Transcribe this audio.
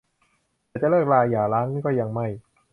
แต่จะเลิกราหย่าร้างก็ยังไม่